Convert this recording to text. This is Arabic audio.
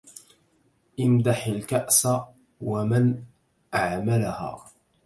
إمدح الكأس ومن أعملها